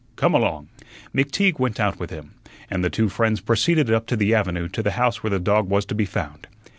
Come along." McTeague went out with him, and the two friends proceeded up to the avenue to the house where the dog was to be found.